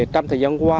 trong thời gian qua